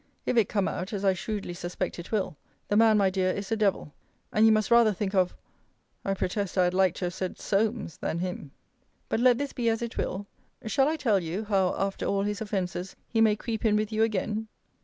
If it come out, as I shrewdly suspect it will, the man, my dear, is a devil; and you must rather think of I protest I had like to have said Solmes than him. But let this be as it will, shall I tell you, how, after all his offences, he may creep in with you again?